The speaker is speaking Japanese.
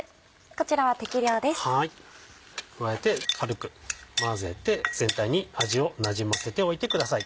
加えて軽く混ぜて全体に味をなじませておいてください。